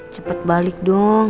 cepet balik dong